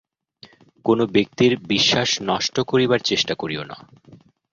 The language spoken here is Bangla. কোন ব্যক্তির বিশ্বাস নষ্ট করিবার চেষ্টা করিও না।